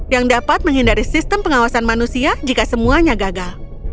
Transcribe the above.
yang dapat menghindari sistem pengawasan manusia jika semuanya gagal